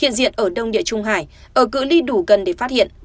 hiện diện ở đông địa trung hải ở cửa ly đủ gần để phát hiện